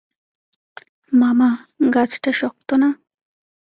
মামা, গাছটা শক্ত না?